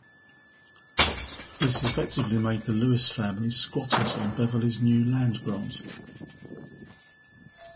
This effectively made the Lewis family squatters on Beverley's new land grant.